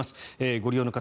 ご利用の方